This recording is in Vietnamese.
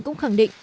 cũng khẳng định